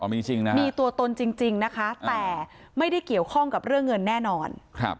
มีจริงนะมีตัวตนจริงนะคะแต่ไม่ได้เกี่ยวข้องกับเรื่องเงินแน่นอน